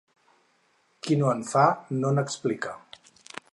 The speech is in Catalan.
Qui no en fa, no n'explica.